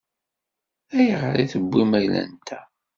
Ayɣer i tewwim ayla-nteɣ?